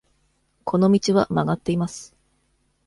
この道は曲がっています。